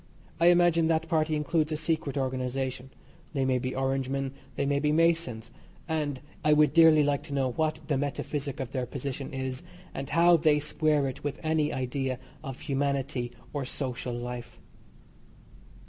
I imagine that Party includes a secret organisation they may be Orangemen, they may be Masons, and, if there be such, I would dearly like to know what the metaphysic of their position is, and how they square it with any idea of humanity or social life.